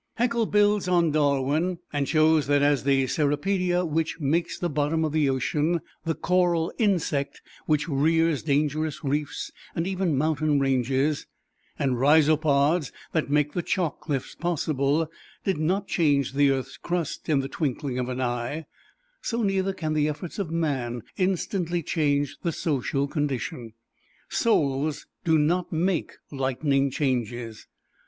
Haeckel builds on Darwin and shows that as the Cirripedia which makes the bottom of the ocean, the coral "insect" which rears dangerous reefs and even mountain ranges, and Rhizopods that make the chalk cliffs possible, did not change the earth's crust in the twinkling of an eye, so neither can the efforts of man instantly change the social condition. Souls do not make lightning changes.